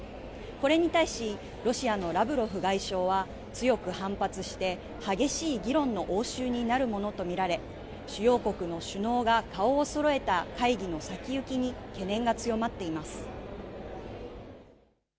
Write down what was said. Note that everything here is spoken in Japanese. これに対しロシアのラブロフ外相は強く反発して激しい議論の応酬になるものと見られ主要国の首脳が顔をそろえた会議の先行きに懸念が強まっています。